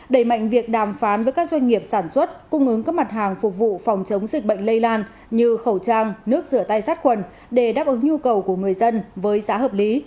đẩy mạnh việc đàm phán với các doanh nghiệp sản xuất cung ứng các mặt hàng phục vụ phòng chống dịch bệnh lây lan như khẩu trang nước rửa tay sát quần để đáp ứng nhu cầu của người dân với giá hợp lý